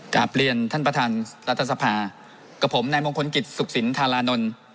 กลับเรียนท่านประธานรัฐสภากับผมนายมงคลกิจสุขสินธารานนท์